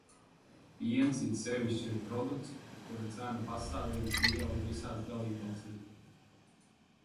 Piens it sevišķi ir produkts, kura cena pastāvīgi pieaug visās dalībvalstīs.